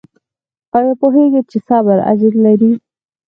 ایا پوهیږئ چې صبر اجر لري؟